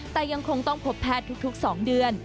แต่ยังคงต้องพบแพทย์ทุก๒เดือน